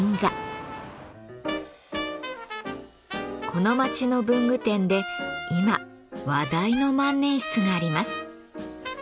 この街の文具店で今話題の万年筆があります。